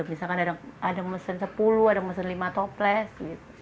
misalkan ada mesin sepuluh ada mesin lima toples